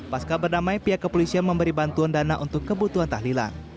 pasca berdamai pihak kepolisian memberi bantuan dana untuk kebutuhan tahlilan